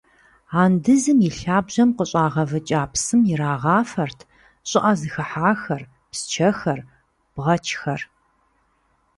Андызым и лъабжьэм къыщӏагъэвыкӏа псым ирагъафэрт щӏыӏэ зыхыхьахэр, псчэхэр, бгъэчхэр.